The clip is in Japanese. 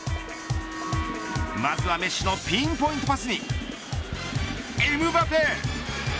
まずはメッシのピンポイントパスにエムバペ。